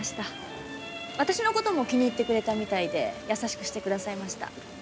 私の事も気に入ってくれたみたいで優しくしてくださいました。